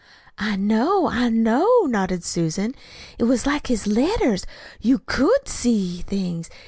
"I know, I know," nodded Susan. "It was like his letters you could SEE things.